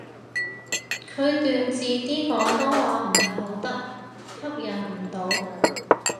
佢段字啲廣東話唔係好得，吸引唔到